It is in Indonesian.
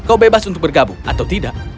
kau bebas untuk bergabung atau tidak